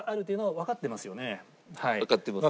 わかってます。